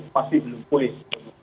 pasti belum pulih